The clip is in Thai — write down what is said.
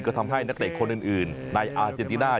ก็ทำให้นักเตะคนอื่นในอาเจนติน่า